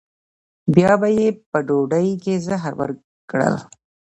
بیا به یې په ډوډۍ کې زهر ورکړل.